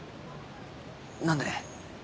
何で？